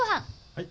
はい。